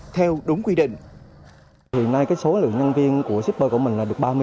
theo đúng quy định